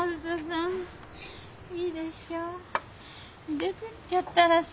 出てっちゃったらさ